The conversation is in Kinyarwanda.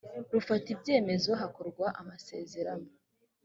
rufata ibyemezo hakorwa amasezerano